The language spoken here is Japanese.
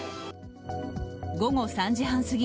午後３時半過ぎ